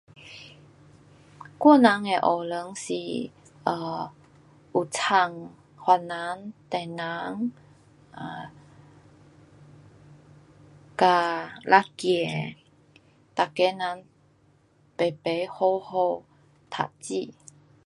我人的学堂是 um 有参番人，唐人 um 跟辣儿。每个人排排好好读书。